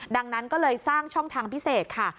ดังนั้นก็เลยสร้างช่องทางพิเศษค่ะ